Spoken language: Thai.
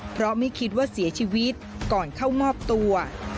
เพราะไม่คิดว่าเสียชีวิตก่อนเข้ามอบตัว